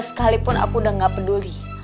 sekalipun aku udah gak peduli